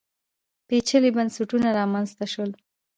پېچلي بنسټونه رامنځته شول